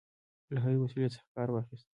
له هري وسیلې څخه کارواخیست.